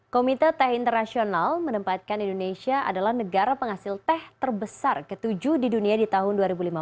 komite teh internasional menempatkan indonesia adalah negara penghasil teh terbesar ketujuh di dunia di tahun dua ribu lima belas